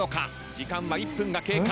時間は１分が経過。